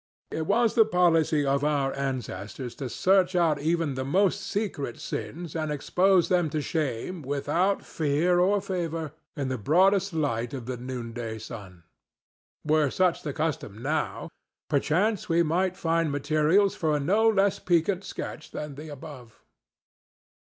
It was the policy of our ancestors to search out even the most secret sins and expose them to shame, without fear or favor, in the broadest light of the noonday sun. Were such the custom now, perchance we might find materials for a no less piquant sketch than the above.